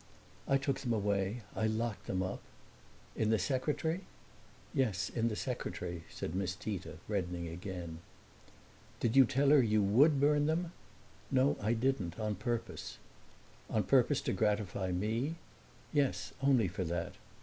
"I took them away. I locked them up." "In the secretary?" "Yes, in the secretary," said Miss Tita, reddening again. "Did you tell her you would burn them?" "No, I didn't on purpose." "On purpose to gratify me?" "Yes, only for that."